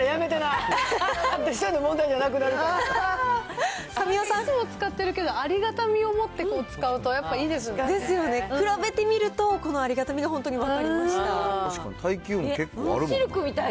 いつも使ってるけど、ありがたみを持って使うとやっぱいいですね。ですよね。比べてみると、このありがたみが本当に分かりました。